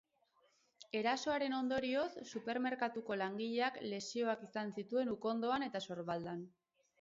Erasoaren ondorioz, supermerkatuko langileak lesioak izan zituen ukondoan eta sorbaldan.